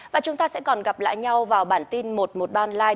và chúng ta sẽ còn gặp lại nhau vào bản tin một trăm một mươi ba online